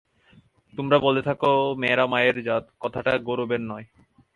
তোমরা বলে থাক– মেয়েরা মায়ের জাত, কথাটা গৌরবের নয়।